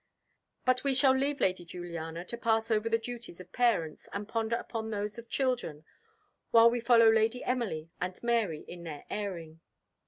But we shall leave Lady Juliana to pass over the duties of parents, and ponder upon those of children, while we follow Lady Emily and Mary in their airing.